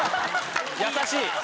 優しい。